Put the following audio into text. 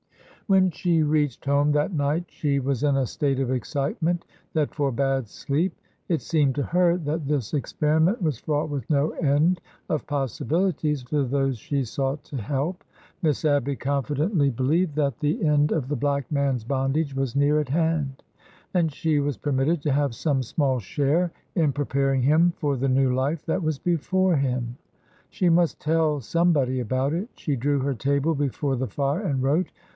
When she reached home that night she was in a state of excitement that forbade sleep. It seemed to her that this experiment was fraught with no end of possibilities for those she sought to help. Miss Abby confidently be 88 ORDER NO. 11 lieved that the end of the black man's bondage was near at hand. And she was permitted to have some small share in preparing him for the new life that was before him! She must tell somebodj> about it. She drew her table be fore the fire and wrote.